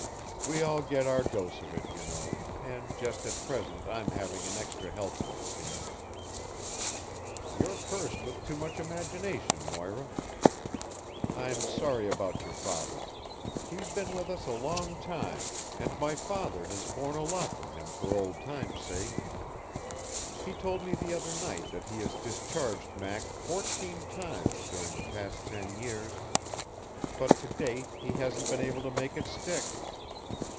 "We all get our dose of it, you know, and just at present I'm having an extra helping, it seems. You're cursed with too much imagination, Moira. I'm sorry about your father. He's been with us a long time, and my father has borne a lot from him for old sake's sake; he told me the other night that he has discharged Mac fourteen times during the past ten years, but to date he hasn't been able to make it stick.